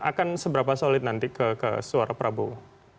akan seberapa solid nanti ke suara prabowo